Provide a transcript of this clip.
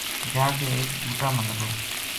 جا کے ایک بُوٹا ما لگو